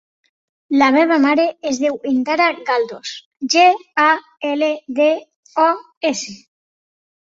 La meva mare es diu Indara Galdos: ge, a, ela, de, o, essa.